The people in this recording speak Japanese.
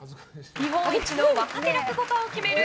日本一の若手落語家を決める